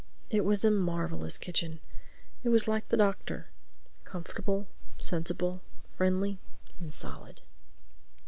It was a marvelous kitchen. It was like the Doctor, comfortable, sensible, friendly and solid.